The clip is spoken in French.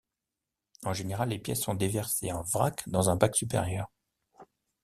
En général, les pièces sont déversées en vrac dans un bac supérieur.